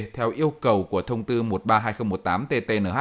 theo yêu cầu của thông tư một trăm ba mươi hai nghìn một mươi tám ttnh